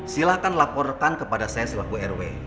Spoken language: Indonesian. silahkan laporkan kepada saya selaku rw